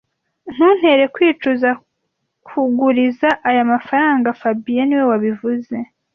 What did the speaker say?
Ntuntere kwicuza kuguriza aya mafaranga fabien niwe wabivuze